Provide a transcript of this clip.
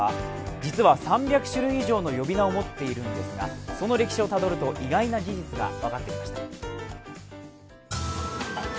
実は３００種類以上の呼び名を持っているんですがその歴史をたどると、意外な事実が分かってきました。